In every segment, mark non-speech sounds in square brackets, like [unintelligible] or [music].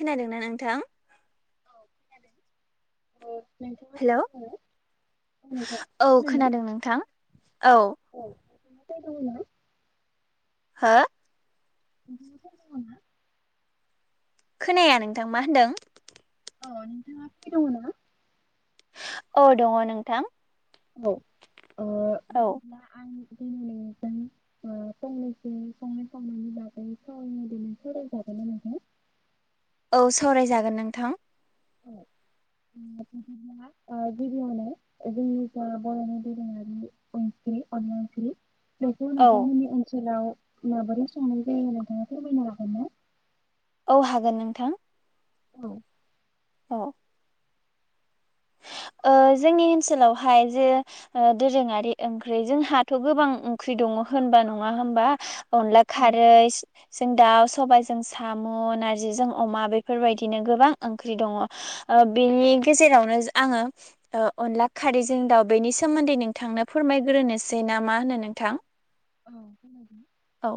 खोनादोंना नोंथां अ हेलौ नोंथाङा औ फ्रि दङ ना? खोनादों नोंथां औ औ [unintelligible] हो [unintelligible] खोनाया नोंथां मा होनदों औ नोंथांङा फ्रि दंना औ दङ नोंथां ओ औ बिदिब्ला आं [inaudible] [inaudible] औ सावरायजागोन नोंथां औ [inaudible] अनला ओंख्रि बेखौ औ नोंथांमोननि ओनसोलाव माबोरै संनाय जायो नोंथाङा फोरमायनो हागोन ना औ हागोन नोंथां औ औ [unintelligible] ओ जोंनि ओनसोलावहाय जे दोरोङारि ओंख्रि जोंहाथ' गोबां ओंख्रि दं होनबा नंङा होनबा अनला औ खारै जों दाव सबायजों साम' नारजिजों अमा बेफोरबायदिनो गोबां ओंख्रि दङ ओ बेनि बे गजेरावनो आङो ओ अनला खारैजों दाउ बेनि सोमोन्दै नोंथांनो फोरमायग्रोनोसै ना मा होनो नोंथां औ खोनादों औ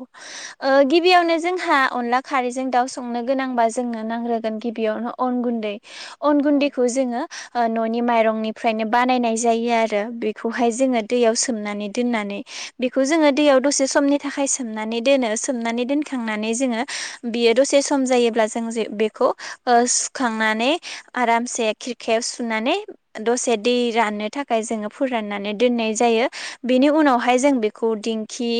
ओ गि बियावनो जोंहा अनला खारैजों दाउ संनो गोनांबा जोंनो नांग्रोगोन गिबियावनो अन गुन्दै अन औ गुन्दैखौ जोङो न'नि माइरंनिफ्रायनो बानायनाय जायो आरो बेखौहाय जोङो दैयाव सोमनानै दोननानै बेखौ जोङो दैयाव दसे समनि थाखाय सोमनानै दोनो सोमनानै दोनखांनानै जोङो बियो दसे सम जायोब्ला जों बेखौ ओ सुखांनानै आरामसे खेब सुनानै दसे दै राननो थाखाय जोङो फोराननानै दोननाय जायो बेनि उनाव उनावहाय जों बेखौ दिंखि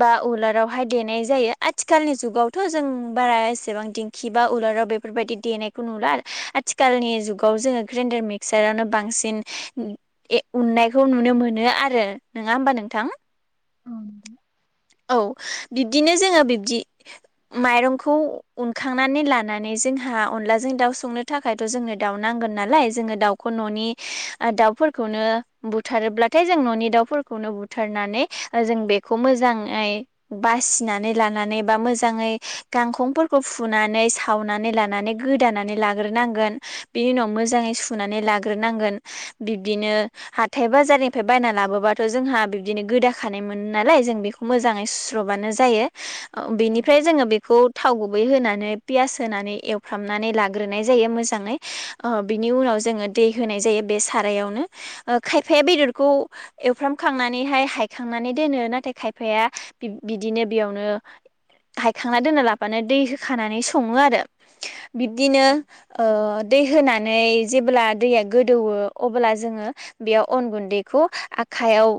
बा उलारावहाय देनाय जायो आथिखालनि जुगावथ' जों बारा एसेबां दिंखि बा उला लार बेफोरबायदि देनायखौ नुला आरो आथिखालनि जुगाव जोङो ग्रेन्डार मिक्सारावनो बांसिन उननायखौ नुनो मोनो आरो नङा होमबा नोंथां औ औ बिब्दिनो जोङो बिबदि माइरंखौउखांनानै लानानै जोंहा अनलाजों दाउ संनो थाखायथ' जोंनो दाउ नांगोन नालाय जोङो दाउखौ न'नि दाउफोरखौनो बुथारोब्लाथाय जों न'नि दाउ- फोरखौनो बुथारनानै जों बेखौ मोजाङै बासिनानै लानानै बा मो- जाङै गांखंफोरखौ फुनानै सावनानै लानानै गोदानानै लाग्रोनांगोन बिनि उनाव मोजाङै सुनानै लाग्रोनांगोन बिब्दिनो हाथाय बाजारनिफ्राय बायना लाबोबा जोंहा बिनो गोदा खानाय मोनो नालाय जों बेखौ मोजै सुस्र'बानो जायो। औ बेनिफ्राय जोङो बेखौ थाव गुबै होनानै पियास होनानै एवफ्रामनानै लाग्रोनाय जायो मोजाङै बिनि उनाव जोङो दै होनाय जायो बे सारायावनो खायफाया बेदरखौ एवफ्रामखांनानैहाय हायखांनानै दोनो नाथाय खायफाया बिदिनो बेयावनो हायखांना दोनना लाबानो दै होखानानै सङो आरो बिब्दिनो दै होनानै जेब्ला दैया गोदौवो अब्ला जोङो बेयाव अन गुन्दैखौ आ- खायाव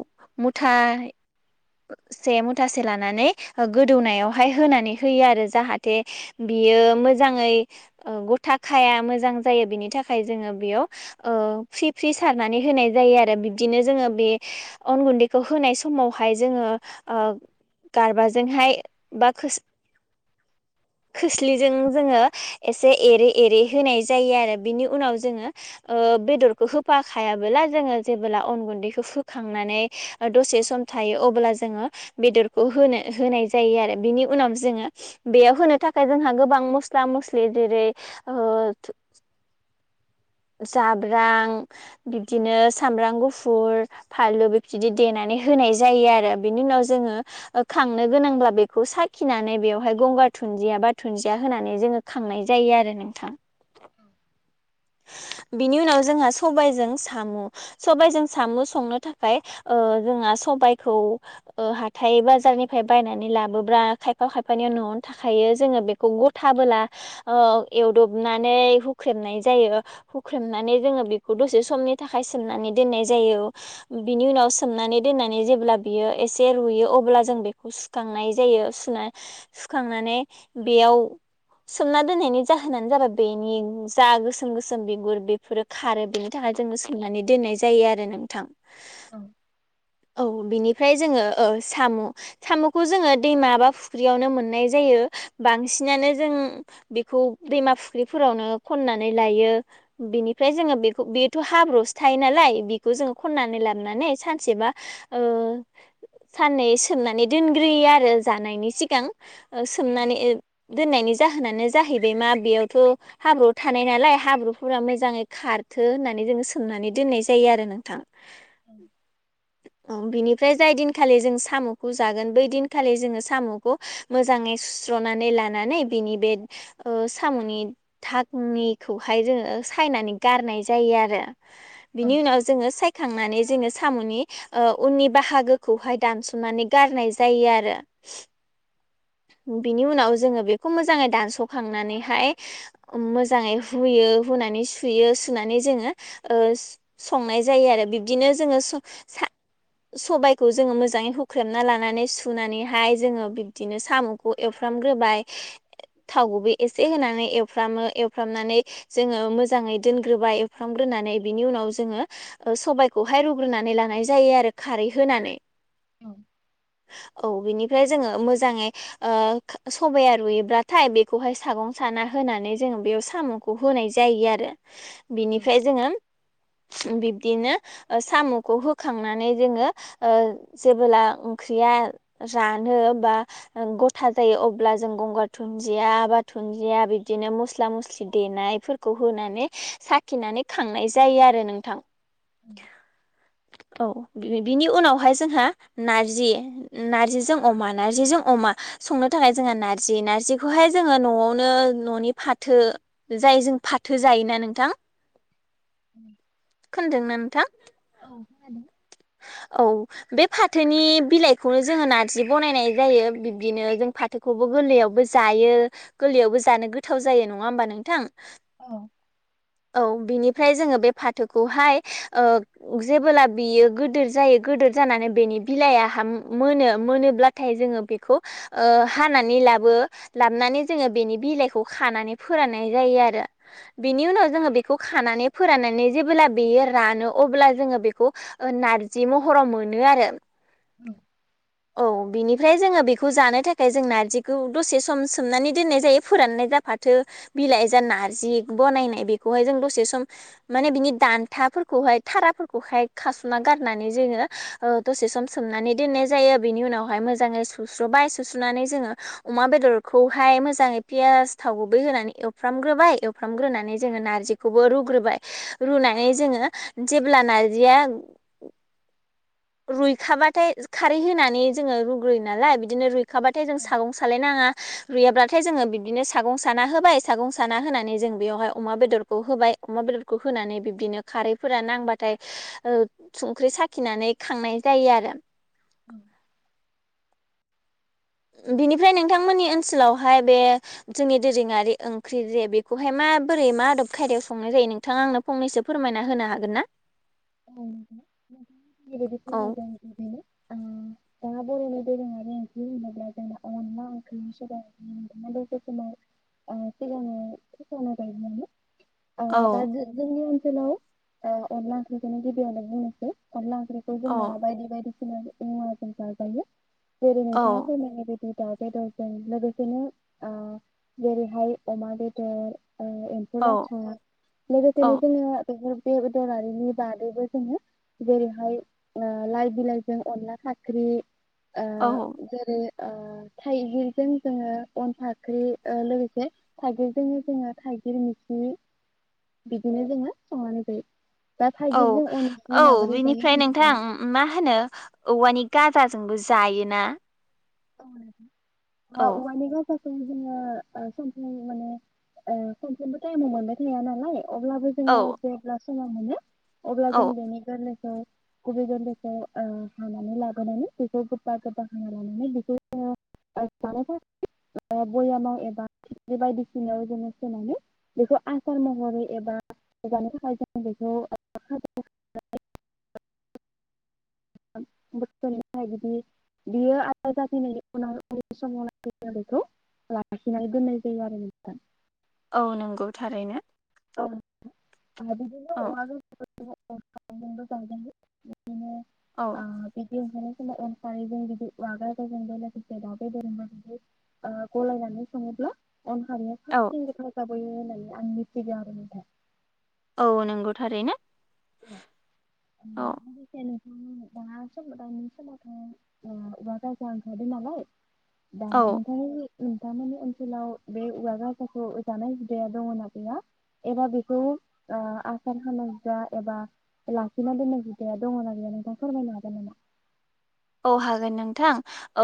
मुथा- [inaudible] से मुथासे लानानै गोदौनायावहाय होनानै होयो आरो जाहाथे बियो मोजाङै गथा खाया मोजां जायो बिनि थाखाय जोङो बेयाव फ्रि फ्रि सारनानै होनाय जायो आरो बिब्दिनो जोङो बे अन गुन्दैखौ होनाय समाव हाय जोङो गारबाजोंहाय बा [inaudible] खोस्लिजों जोङो एसे एरै एरै होनाय जायो आरो बिनि उनाव जोङो बेदरखौ होफा खायाबोलाजों जेबोला अन गुन्दैखौ होखांनानै दसे खोनादों सम थायो अब्ला जोङो बेदरखौ होनो होनाय जायो आरो बिनि उनाव जोङो बेयाव होनो थाखाय जोंहा गोबां मस्ला मस्लि जेरै [inaudible] जाब्रां बिब्दिनो सामब्राम गुफुर फानलु बिदि देनानै होनाय जायो आरो बिनि उनाव जोङो खांनो गोनांब्ला बेखौ साखिनानै बेयावहाय गंगार दुन्दिया बा दुन्दिया होनानै जोङो खांनाय जायो आरो नोंथां [inaudible] बिनि उनाव जोंहा सबायजों साम' सबायजों साम' संनो थाखाय जोंहा सबाइखौ हाथाय बाजारनिफ्राय बायनानै लाबोब्रा खायफा खायफानियाव न'आवनो थाखायो जोङो बेखौ गथाबोला एवदबनानै हुख्रेबनाय जायो हुख्रेमनानै जोङो बेखौ दसे समनि थाखाय सोमनानै दोननाय जायो बिनि उनाव सोमनानै दोनानै जेब्ला बियो एसे रुयो अब्ला जों बेखौ सुखांनाय जायो सुनाय सुखां नानै बेयाव सोमना दोन्नायनि जाहोनानो जाबाय बेनि जा गोसो गोसोम गोसोम बिगुर बेफोरो खारो बेनि थाखाय जोङो सोमनानै दोननाय जायो आरो नोंथां। औ औ बिनिफ्राय जोङो औ साम' साम'खौ जोङो दैमा एबा फुख्रियावनो मोननाय जायो बांसिनानो जों बेखौ दैमा फुख्रिफोरावनो खननानै लायो बेनिफ्राय जोथ' बेखौ बेथ' हाब्र'सो थायो नालाय बेखौ जों खननानै लाबोनानै सानसेबा साननै सोमनानै दोनग्रोयो आरो जानायनि सिगां सोमनानै दोननायनि जाहोनानो जाहैबाय मा बेयावथ' हाब्रु थानाय नालाय हाब्रुफोरा मोजाङै खारथो होननानै जोङो सोमनानै दोननाय जायो आरो नोंथां औ अ बिनिफ्राय जाय दिनखालि जों साम'खौ जागोन बै दिनखालि जोङो साम'खौ मोजाङै सुस्र'नानै लानानै बिनि बे साम'नि निखौहाय जोङो सायनानै गारनाय जायो आरो बिनि उनाव जोङो साय खांनानै जोङो साम'नि उननि बाहागोखौहाय दानस'नानै गारनाय जायो आरो [inaudible] बिनि उनाव जोङो बेखौ मोजाङै दान्स' स' खांनानैहाय मोजाङै हुयो हुनानै सुयो सुनानै जोङो ओ ओ संनाय जायो आरो बिब्दिनो जोङो स सा सबायखौ जोङो मोजाङै हुख्रेमना लानानै सुनानैहाय जोङो बि दिनो साम'खौ एवफ्रामग्रोबाय। थाव गुबै एसे होनानै एवफ्रामो एवफ्रामनानै जोङो मोजाङै दोनग्रोबाय एवफ्रामग्रो नानै बिनि उनाव जोङो ओ सबायखौहाय रुग्रोनानै लानाय जायो आरो खारै होनानै। औ औ बिनिफ्राय जोङो मोज जाङै ओ सबाया रुइयोब्लाथाय बेखौहाय सागं साना होनानै जोङो बेयाव साम' खौ होनाय जायो आरो। बिनिफ्राय जोङो बिब्दिनो ओ साम'खौ होखांनानै जोङो ओ जेबोला ओंख्रि या रानो बा ओ गथा जायो अब्ला जों गंगार दुनदिया बा दुनदिया बिबदिनो मस्ला मस्लि दे नायफोरखौ होनानै साखिनानै खांनाय जायो आरो नोंथां। उम औ बि-बिनि उनावहाय जोंहा नारजि नारजिजों अमा नारजिजों अमा संनो थाखाय जोंहा नारजि नारजिखौहाय जोङो न'आवनो न'नि फाथो जाय जों फाथो जायोना नोंथां। [inaudible] खोनदोंना नोंथां? [inaudible] औ बे फाथोनि बिलाइखौनो जोङो नारजि बनायनाय जायो। बिब्दिनो जों फाथोखौ खौबो गोरलैयावबो जायो। गोरलैयावबो जानो गोथाव जायो नङा होमबा नोंथां? औ औ बिनिफ्राय जोङो बे फाथोखौहाय ओ जेबोला बियो गोदोर जायो गोदोर जानानै बेनि बिलाइ आहा मोनो मोनोब्लाथाय जोङो बेखौ ओ हानानै लाबो लाबनै जोङो बेनि बिलाइखौ खानानै फोराननाय जायो आरो। बिनि उनाव जोङो बेखौ खानानै फोराननानै जेब्ला बेयो रानो अब्ला जोङो बेख खौ ओ नारजि महराव मोनो आरो। औ औ बिनिफ्राय जोङो बेखौ जानो थाखाय जों नारजिखौ दसे सम सोमनानै दोननाय जायो फोराननाय दा फाथो बिलाइ जो नारजि बनायनाय बेखौहाय जों दसे सम माने बिनि दानथा था फोरखौहाय थाराफोरखौहाय खास'ना गारनानै जोङो ओ दसे सम सोमनानै दोननाय जायो। बिनि उनावहाय मोजाङै सुस्रुब बाय सुस्रनानै जोङो अमा बेदरखौहाय मोजाङै पियास थाव गुबै होनानै एवफ्रामग्रोबाय। एउफ्राम ग्रोनानै जोङो नारजिखौबो रुग्रोबाय रुनानै जोङो जेब्ला नार जिया रुयखाबाथाय खारै होनानै जोङो रुग्रोयो नालाय बिदिनो रुय खाबाथाय जों सागं सालाय नाङा। रुयाब्लाथाय जोङो बिबदिनो सागं साना होबाय। सागं साना होनानै जों बेवहाय अमा बेदरखौ होबाय। अमा बेदरखौ होनानै बिबदिनो खारैफोरा नांबाथाय ओ संख्रि साखिनानै खांनाय जायो आरो। औ ओ बिनिफ्राय नोंथांमोननि ओनसोलावहाय बे जोंनि दोरोङारि ओंख्रि जे बेखौहाय मा माबोरै मा आदब खायदायाव संनाय जायो नोंथाङा आं फंनैसो फोरमायना होनो हागोन ना? औ [unintelligible] औ ओं दा बर'नि दोरोङारि ओंख्रि होनोब्ला जोंना अनला ओंख्रिखौसो [unintelligible] आ औ सिगांनो [unintelligible] [unintelligible] खौनो गिबियावनो बुंनोसै अनला औंख्रिखौ औ जोंना बायदि बायदि मुवाजों जाजायो जेरै नोंथाङा औ फोरमनायबायदि दाउ बेदरजों लोगोसेनो ओ जेरैहाय अमा बेदर एम्फौ लाथा लोगोसेनो औ जोङो बेफोर बेदर आरिनि बागैबो जोङो जेरैहाय लाइ बिलाइजों अनला फाख्रि औ जेरै ओ थाइगिरजों जोङो अनला खारि ओ लोगोसे थाइगिरजोंनो जोङो थाय गिर मिथियो बिदिनो जोङो संनानै होयो औ -औ बिनिफ्राय नोंथां होनोब्ला मा होनो औवानि गाजाजोंबो जायोना ओ नोंथां औ माबानिबो जोङो ओ सम- सम माने ओ सफ्रोमबो टाइमाव मोनबाय थाया नालाय अब्लाबो औ जोङो जेब्ला समा मोनो अब्ला जों औ बेनि गोरलै ओ गन्दखौ ओ खनानै लाबोनानै बेखौ गोबा गोबा खालायनानै [unintelligible] ओ बयामाव एबा बे बायदिसिनायाव जोङो सोनानै बेखौ आसार महरै एबा जानो थाखाय जों बेखौ [unintelligible] [unintelligible] बियो आदा जाफैनायनि उनाव उन्दै समावै बेखौ बसि नोगोर जायो आरो औ नंगौ थारैनो [unintelligible] ओ बिदि औ औ औंगफाय जदिग्राफोरों बे दा ब जदि ओ गलायनानै सङोब्ला अन हारिया औ फारसेथिं रोखा जाबोयो होननानै आं मिथिग आरो नोंथां औ नंगौथारैनो उ उ दा समाव दानि समावथ औव गार जानो थादो नालाय दा औ मोनथ नोंथांमोननि ओनसोलाव बे औवजों जानाय हुदाया दङ ना गैया एबा बेखौ ओ आं समामाज एबा लाखिना दोननाय बिदाया दङनाा गैया नोंथां फोरमायनो हागोन नामा औ हागोन नोंथां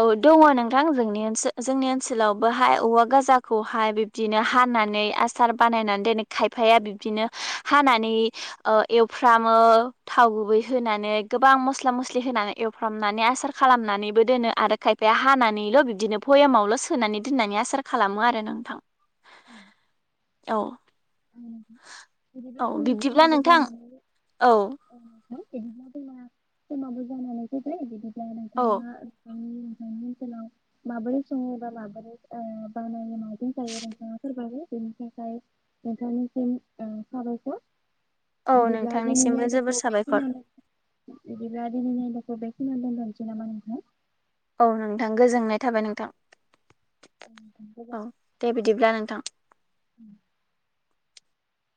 औ दङ नोंथां जोंनि जोंनि ओनसोलावबो हाय औवा गाजा फुजाखौहाय बिब्दिनो हानानै आसार बानायनानै दोनै खायफाया बिब्दिनो हानानै ओ एवफ्रामो थाव गुबै होनानै गोबां मस्ला - मस्लि होनानै एवफ्रामो माने आसार खालामनानैबो दोनो आरो खायफाया हानानैल' बिदिनो भयामावल' सोनानै दोननानै आसार खालामो खालामो आरो नोंथां। औ औ बिदिब्ला औ खुनु बिब्दिब्ला समाबो नोंथां जानानै औ खमाबो जानानैखौ जाय बि औ उ न सोनाव माबोरै एबा सङो बा माबोरै बानायो मादों जायो नोंथाङा फोरमायबाय बेनि थाखाय नोंथांनिसिम साबायखर। औ बिदिब्ला दिनिनि नोंथांनिसिमबो जोबोर आयदाखौ साबायखर बेखिनियावनो [unintelligible] ग बेखिनो दोनथ'निसै नामा नोंथां औ नोंथां गोजोननाय थाबाय नोंथां। औ नोंथां, औ गोजोनथों। दे बिदिब्ला नोंथां।